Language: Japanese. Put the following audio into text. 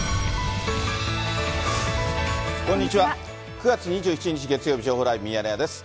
９月２７日月曜日、情報ライブミヤネ屋です。